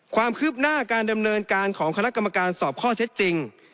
ความคืบหน้าการดำเนินการของคณะกรรมการสอบข้อเท็จจริง